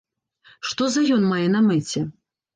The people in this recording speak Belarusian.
Што за ён мае на мэце?